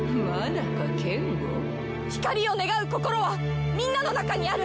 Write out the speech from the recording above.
光を願う心はみんなの中にある！